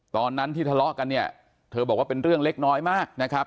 ตอนนั้นที่ทะเลาะกันเนี่ยเธอบอกว่าเป็นเรื่องเล็กน้อยมากนะครับ